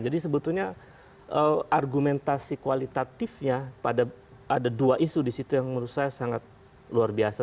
jadi sebetulnya argumentasi kualitatifnya pada ada dua isu disitu yang menurut saya sangat luar biasa